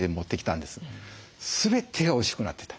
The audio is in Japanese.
全てがおいしくなってた。